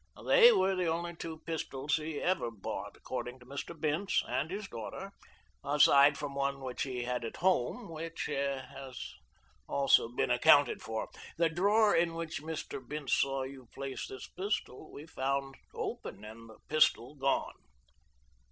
They were the only two pistols he ever bought, according to Mr. Bince, and his daughter, aside from one which he had at home, which has also been accounted for. The drawer in which Mr. Bince saw you place this pistol we found open and the pistol gone.